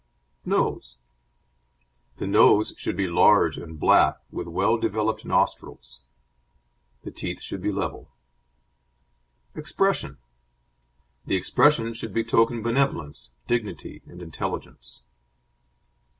NOSE The nose should be large and black, with well developed nostrils. The teeth should be level. EXPRESSION The expression should betoken benevolence, dignity, and intelligence.